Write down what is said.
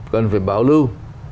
cần phải bảo lưu